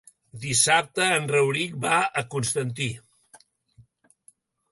Dissabte en Rauric va a Constantí.